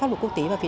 thứ hai là về